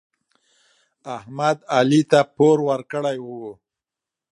احمد علي ته پور ورکړی و.